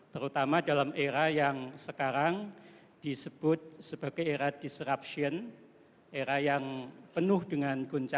terutama dalam urusan yang tadi sudah saya sebut